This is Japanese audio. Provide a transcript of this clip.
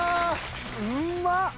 うまっ！